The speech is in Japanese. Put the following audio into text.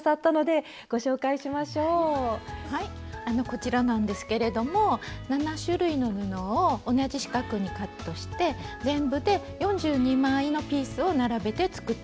こちらなんですけれども７種類の布を同じ四角にカットして全部で４２枚のピースを並べて作ってみました。